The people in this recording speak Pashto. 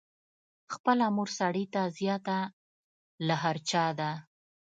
خپله مور سړي ته زیاته له هر چا ده.